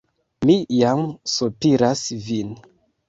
Mi jam sopiras vin.